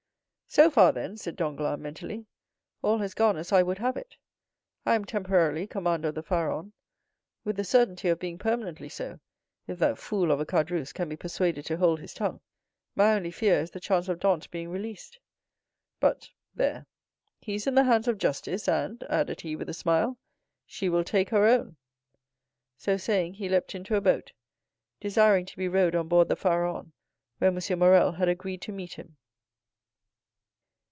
"So far, then," said Danglars, mentally, "all has gone as I would have it. I am, temporarily, commander of the Pharaon, with the certainty of being permanently so, if that fool of a Caderousse can be persuaded to hold his tongue. My only fear is the chance of Dantès being released. But, there, he is in the hands of Justice; and," added he with a smile, "she will take her own." So saying, he leaped into a boat, desiring to be rowed on board the Pharaon, where M. Morrel had agreed to meet him.